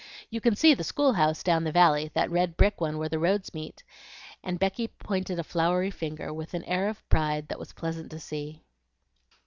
You can see the school house down the valley, that red brick one where the roads meet;" and Becky pointed a floury finger, with an air of pride that was pleasant to see.